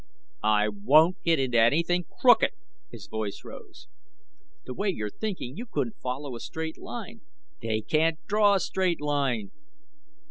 "I won't get into anything crooked!" his voice rose. "The way you're thinking you couldn't follow a straight line." "They can't draw a straight line."